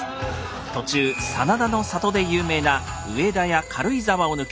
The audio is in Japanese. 途中真田の里で有名な上田や軽井沢を抜け